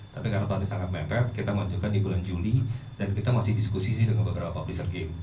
tapi karena tahun ini sangat mepet kita menunjukkan di bulan juli dan kita masih diskusi sih dengan beberapa publisher game